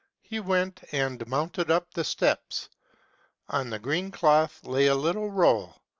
He went, and mounted up the steps. On the green cloth lay a little roll.